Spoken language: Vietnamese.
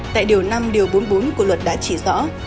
tại điều năm điều bốn mươi bốn của luật đã chỉ rõ